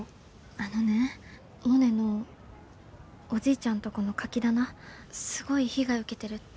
あのねモネのおじいちゃんとこのカキ棚すごい被害受けてるって。